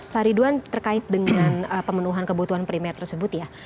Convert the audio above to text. faridwan terkait dengan pemenuhan kebutuhan primer tersebut ya